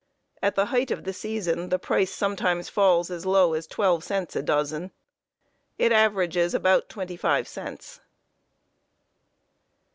At the height of the season the price sometimes falls as low as twelve cents a dozen. It averages about twenty five cents.